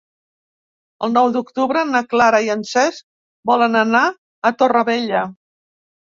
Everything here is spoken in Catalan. El nou d'octubre na Clara i en Cesc volen anar a Torrevella.